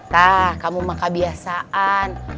tak kamu mah kebiasaan